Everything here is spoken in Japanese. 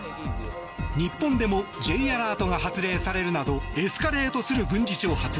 日本でもＪアラートが発令されるなどエスカレートする軍事挑発。